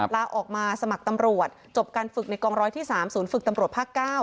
ลาออกมาสมัครตำรวจจบการฝึกในกองร้อยที่๓ศูนย์ฝึกตำรวจภาค๙